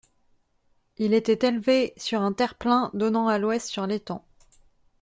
Il était élevé sur un terre-plein donnant à l’ouest sur l’étang.